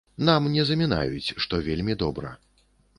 І нам не замінаюць, што вельмі добра.